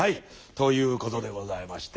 ということでございまして。